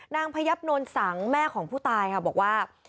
นางพยับนนสังแม่ของผู้ตายบอกว่า